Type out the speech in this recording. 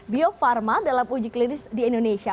bio farma dalam uji klinis di indonesia